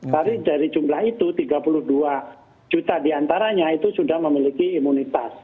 tapi dari jumlah itu tiga puluh dua juta diantaranya itu sudah memiliki imunitas